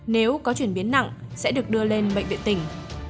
nếu có chuyển biến nặng sẽ được đưa lên bệnh viện tỉnh